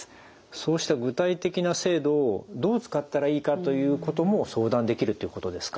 そうした具体的な制度をどう使ったらいいかということも相談できるってことですか？